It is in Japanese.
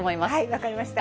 分かりました。